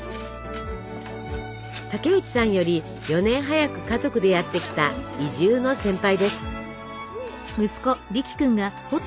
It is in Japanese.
竹内さんより４年早く家族でやって来た移住の先輩です。